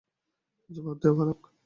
জবাব দেও, বালক!